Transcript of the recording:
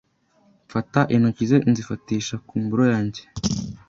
mfata intoki ze nzifatisha ku mboro yanjye